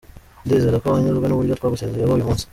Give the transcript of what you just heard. Ndizera ko wanyuzwe n’uburyo twagusezeyeho uyu munsi.